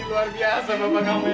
luar biasa bapak kamu